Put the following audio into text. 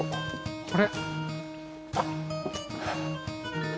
これ？